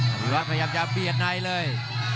อภิวัตคินว่าพยายามจะเบียดไน่เลย